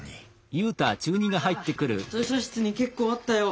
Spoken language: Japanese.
ああ図書室に結構あったよ